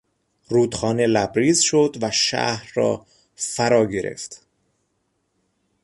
رودخانه لبریز شد و شهر را فرا گرفت.